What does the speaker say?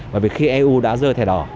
bởi vì khi eu đã rơi thẻ đỏ